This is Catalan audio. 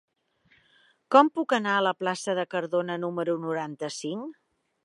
Com puc anar a la plaça de Cardona número noranta-cinc?